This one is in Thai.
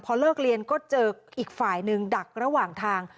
พอเลิกเรียนก็เจออีกฝ่ายหนึ่งดักระหว่างทาง